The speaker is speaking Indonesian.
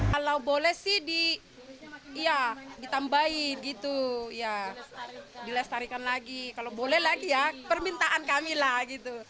kalau boleh sih ditambahin gitu ya dilestarikan lagi kalau boleh lagi ya permintaan kami lah gitu